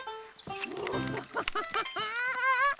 ハハハハハハー！